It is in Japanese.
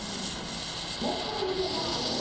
分からへんのか！